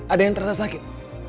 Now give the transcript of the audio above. ada yang terasa sakit